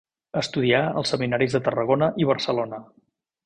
Estudià als seminaris de Tarragona i Barcelona.